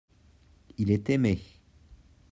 il est aimé.